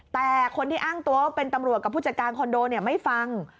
แต่คนที่อ้างตัวว่าเป็นตำรวจกับผู้จัดการคอนโดไม่ฟัง